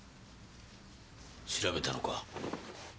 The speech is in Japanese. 調べたのか？